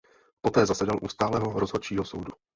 Poté zasedal u Stálého rozhodčího soudu.